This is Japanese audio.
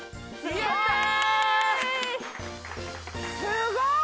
すごい！